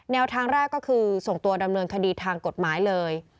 ทางแรกก็คือส่งตัวดำเนินคดีทางกฎหมายเลย